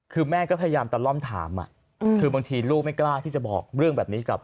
คือแม่ก็พยายามตะล่อมถามคือบางทีลูกไม่กล้าที่จะบอกเรื่องแบบนี้กับ